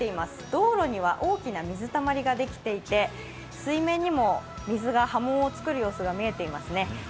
道路には大きな水たまりができていて、水面にも水が波紋を作る様子が見えていますね。